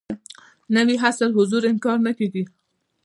نوي عصر حضور انکار نه کېږي.